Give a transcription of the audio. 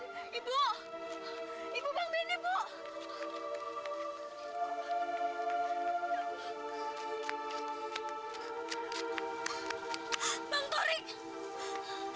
mau membutuhkan bintang maaf